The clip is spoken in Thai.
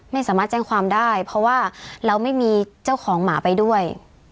ไม่สามารถแจ้งความได้เพราะว่าเราไม่มีเจ้าของหมาไปด้วย